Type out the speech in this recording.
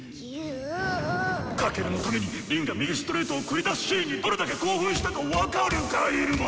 翔のために凛が右ストレートを繰り出すシーンにどれだけ興奮したか分かるか⁉イルマ！